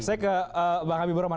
saya ke bang habibur rahman